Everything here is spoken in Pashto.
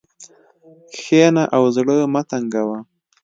کښېنه او زړه مه تنګوه.